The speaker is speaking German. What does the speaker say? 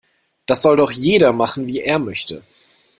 Das soll doch jeder machen, wie er möchte.